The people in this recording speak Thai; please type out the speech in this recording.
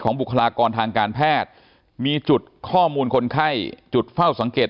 บุคลากรทางการแพทย์มีจุดข้อมูลคนไข้จุดเฝ้าสังเกต